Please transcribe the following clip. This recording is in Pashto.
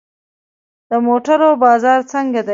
د موټرو بازار څنګه دی؟